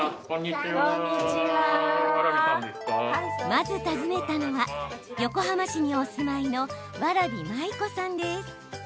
まず訪ねたのは横浜市にお住まいの蕨麻依子さんです。